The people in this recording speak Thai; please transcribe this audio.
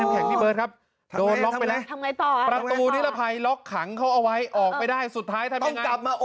เขาเอาไว้สุดท้ายกับมา